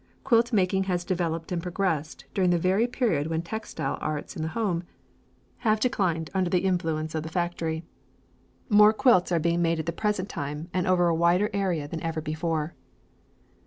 Quilt making has developed and progressed during the very period when textile arts in the home have declined under the influence of the factory. More quilts are being made at the present time and over a wider area than ever before.